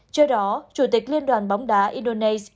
trước đó chủ tịch liên đoàn bóng đá indonesia